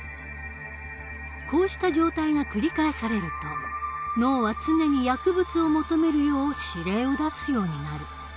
こうした状態が繰り返されると脳は常に薬物を求めるよう指令を出すようになる。